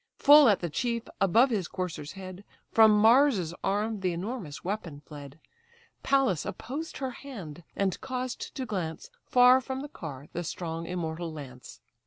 Full at the chief, above his courser's head, From Mars's arm the enormous weapon fled: Pallas opposed her hand, and caused to glance Far from the car the strong immortal lance.